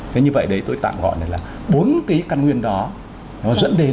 thế như vậy đấy tôi tạm gọi là bốn cái căn nguyên đó nó dẫn đến